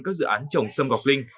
các dự án trồng sâm gọc linh